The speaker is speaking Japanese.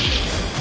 あ。